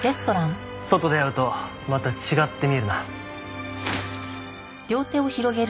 外で会うとまた違って見えるな。